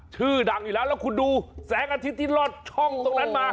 ชื่อดังอยู่แล้วแล้วคุณดูแสงอาทิตย์ที่ลอดช่องตรงนั้นมา